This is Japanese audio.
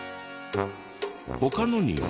他のには。